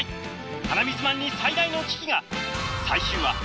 鼻水マンに最大の危機が！